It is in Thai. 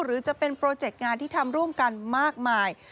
หรือจะเป็นโปรเจกต์งานที่ทำร่วมกันมากมาย